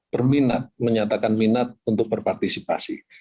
berminat menyatakan minat untuk berpartisipasi